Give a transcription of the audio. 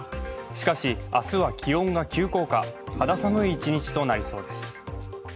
しかし、明日は気温が急降下、肌寒い一日となりそうです。